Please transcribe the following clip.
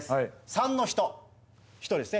３の人１人ですね